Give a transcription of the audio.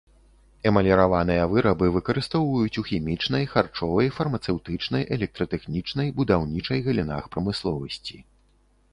Эмаліраваныя вырабы выкарыстоўваюць у хімічнай, харчовай, фармацэўтычнай, электратэхнічнай, будаўнічай галінах прамысловасці.